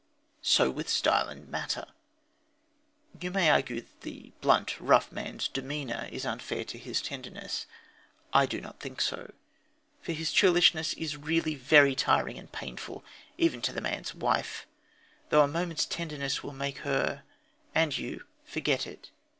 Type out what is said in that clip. So with style and matter. You may argue that the blunt, rough man's demeanour is unfair to his tenderness. I do not think so. For his churlishness is really very trying and painful, even to the man's wife, though a moment's tenderness will make her and you forget it.